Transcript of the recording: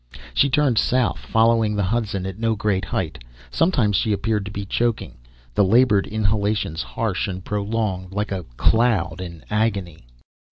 She turned south, following the Hudson at no great height. Sometimes she appeared to be choking, the labored inhalations harsh and prolonged, like a cloud in agony.